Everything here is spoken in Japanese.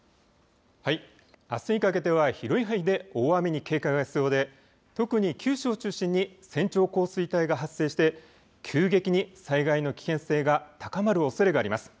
あすにかけては広い範囲で大雨に警戒が必要で、特に九州を中心に線状降水帯が発生して急激に災害の危険性が高まるおそれがあります。